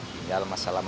hingga masalah masalahnya